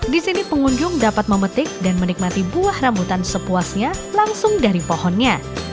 di sini pengunjung dapat memetik dan menikmati buah rambutan sepuasnya langsung dari pohonnya